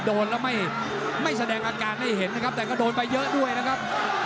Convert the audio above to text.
โดนแล้วไม่แสดงอาการให้เห็นนะครับแต่ก็โดนไปเยอะด้วยนะครับ